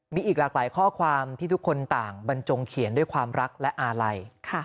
มีอีกหลากหลายข้อความที่ทุกคนต่างบรรจงเขียนด้วยความรักและอาลัย